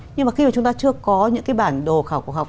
nhưng mà khi mà chúng ta chưa có những cái bản đồ khảo cổ học